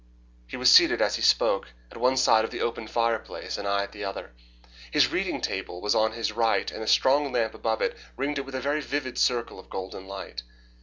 He was seated as he spoke at one side of the open fire place, and I at the other. His reading table was on his right, and the strong lamp above it ringed it with a very vivid circle of golden light.